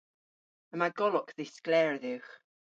Yma golok dhiskler dhywgh.